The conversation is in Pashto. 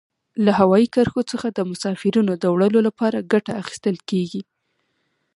له هوایي کرښو څخه د مسافرینو د وړلو لپاره ګټه اخیستل کیږي.